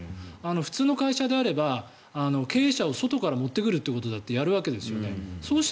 普通の会社であれば経営者を外から持ってくることだってやるわけですよね。